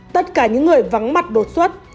tất cả những người vắng mặt đột xuất